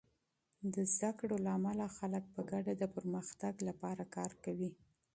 د تعلیم له امله، خلک په ګډه د پرمختګ لپاره کار کوي.